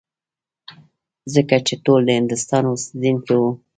ځکه چې ټول د هندوستان اوسېدونکي وو.